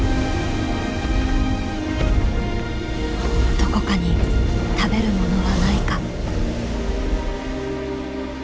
どこかに食べるものはないか。